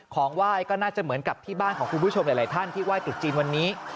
ของไหว้ก็น่าจะเหมือนกับที่บ้านของคุณผู้ชมหลายท่านที่ไหว้จุดจีนวันนี้